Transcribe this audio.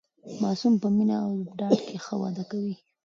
ماسوم په مینه او ډاډ کې ښه وده کوي.